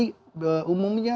itu bagaimana sudah dipikirkan